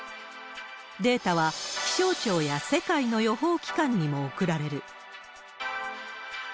データは気象庁や世界の予報機関にも送られる。